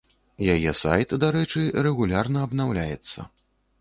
Яе сайт, дарэчы, рэгулярна абнаўляецца.